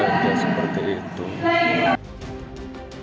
tidak ada seperti itu